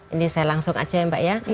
ini saya langsung aja ya mbak ya